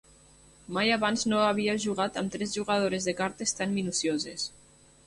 Mai abans no havia jugat amb tres jugadores de cartes tan minucioses.